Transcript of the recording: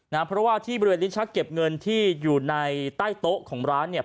เพราะว่าที่บริเวณลิ้นชักเก็บเงินที่อยู่ในใต้โต๊ะของร้านเนี่ย